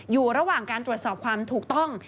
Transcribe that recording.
อยู่ระหว่างการตรวจสอบความถูกต้อง